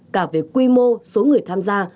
cả về quy mô số người tham gia